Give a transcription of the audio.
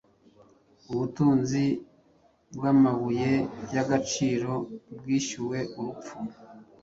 Ubutunzi bwamabuye yagaciro bwishyuwe urupfu